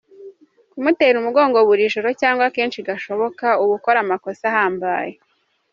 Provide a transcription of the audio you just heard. Kumutera umugongo buri joro cyangwa kenshi gashoboka uba ukora amakosa ahambaye.